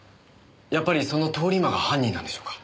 やっぱりその通り魔が犯人なんでしょうか？